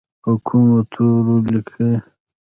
په کومو تورو لیکي؟